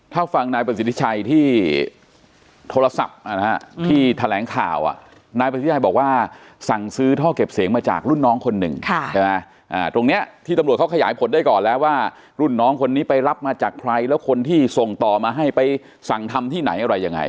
ถ้าฟังนายประสิทธิชัยที่โทรศัพท์ที่แถลงข่าวนายประสิทธิ์ชัยบอกว่าสั่งซื้อท่อเก็บเสียงมาจากรุ่นน้องคนหนึ่งใช่ไหมตรงนี้ที่ตำรวจเขาขยายผลได้ก่อนแล้วว่ารุ่นน้องคนนี้ไปรับมาจากใครแล้วคนที่ส่งต่อมาให้ไปสั่งทำที่ไหนอะไรยังไง